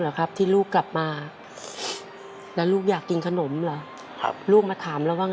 พี่ก็ต้องเป็นภาระของน้องของแม่อีกอย่างหนึ่ง